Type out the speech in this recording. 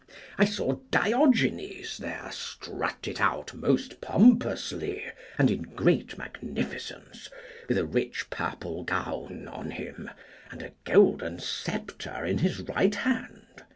I saw Diogenes there strut it out most pompously, and in great magnificence, with a rich purple gown on him, and a golden sceptre in his right hand.